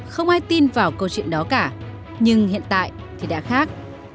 không ai tin vào câu chuyện đó cả nhưng hiện tại thì đã khác